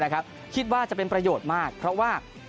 คิดว่าจะเป็นประโยชน์มากเพราะว่า